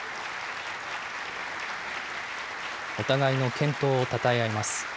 お互いの健闘をたたえ合います。